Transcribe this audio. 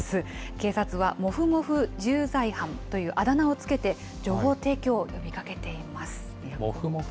警察はもふもふ重罪犯というあだ名を付けて、情報提供を呼びかけもふもふ？